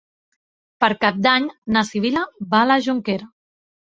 Per Cap d'Any na Sibil·la va a la Jonquera.